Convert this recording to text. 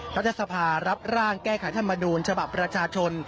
รัฐสภารับร่างแก้ไขธรรมนูญฉบับประชาชน